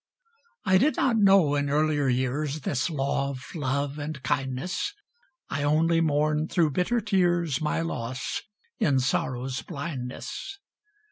I did not know in earlier years, This law of love and kindness; I only mourned through bitter tears My loss, in sorrow's blindness.